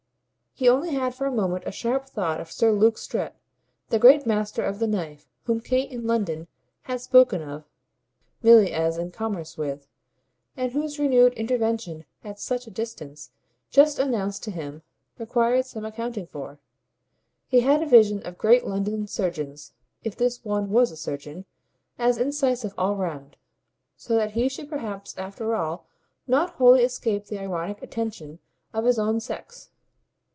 He only had for a moment a sharp thought of Sir Luke Strett, the great master of the knife whom Kate in London had spoken of Milly as in commerce with, and whose renewed intervention at such a distance, just announced to him, required some accounting for. He had a vision of great London surgeons if this one was a surgeon as incisive all round; so that he should perhaps after all not wholly escape the ironic attention of his own sex.